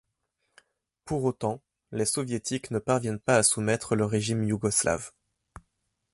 Pour autant, les Soviétiques ne parviennent pas à soumettre le régime yougoslave.